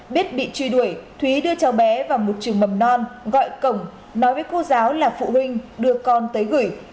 biết bị truy đuổi thúy đưa cháu bé vào một trường mầm non gọi cổng nói với cô giáo là phụ huynh đưa con tới gửi